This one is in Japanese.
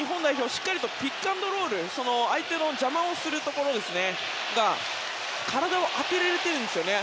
しっかりピックアンドロール相手の邪魔をするところで体を当てられているんですね。